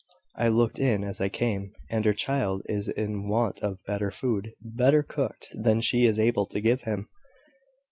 I looked in as I came; and her child is in want of better food, better cooked, than she is able to give him."